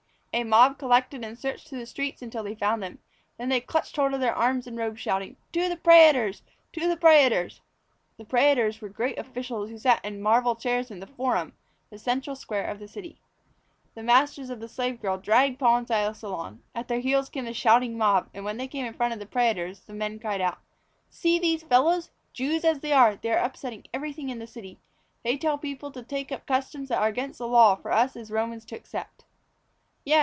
A mob collected and searched through the streets until they found them. Then they clutched hold of their arms and robes, shouting: "To the prætors! To the prætors!" The prætors were great officials who sat in marble chairs in the Forum, the central square of the city. The masters of the slave girl dragged Paul and Silas along. At their heels came the shouting mob and when they came in front of the prætors, the men cried out: "See these fellows! Jews as they are, they are upsetting everything in the city. They tell people to take up customs that are against the Law for us as Romans to accept." "Yes!